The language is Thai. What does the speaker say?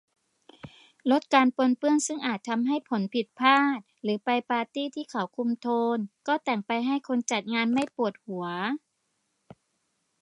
ลดการปนเปื้อนซึ่งอาจทำให้ผลผิดพลาด หรือไปปาร์ตี้ที่เขาคุมโทน ก็แต่งไปให้คนจัดงานไม่ปวดหัว